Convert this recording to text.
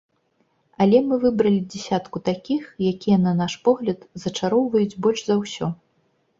Але мы выбралі дзясятку такіх, якія, на наш погляд, зачароўваюць больш за ўсё.